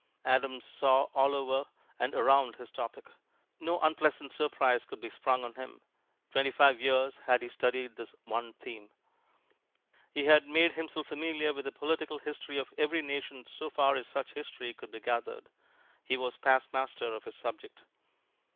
Adams saw all over and around his topic no unpleasant surprise could be sprung on him twenty five years had he studied this one theme. He had made himself familiar with the political history of every nation so far as such history could be gathered; he was past master of his subject.